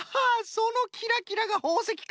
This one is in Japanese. そのキラキラがほうせきか。